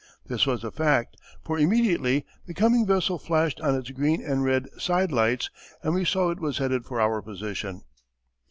This was the fact, for immediately the coming vessel flashed on its green and red side lights and we saw it was headed for our position.